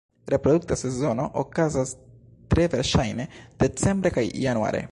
Reprodukta sezono okazas tre verŝajne decembre kaj januare.